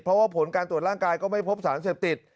เพราะว่าผลการตรวจร่างกายก็ไม่พบสารเสพติด